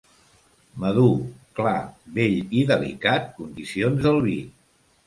Madur, clar, vell i delicat, condicions del vi.